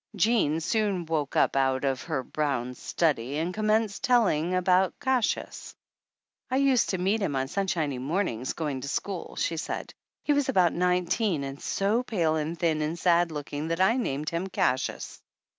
Jean soon woke up out of her brown study and commenced telling about Cassius. "I used to meet him on sunshiny mornings go ing to school," she said. "He was about nine teen and so pale and thin and sad looking that I named him 'Cassius.'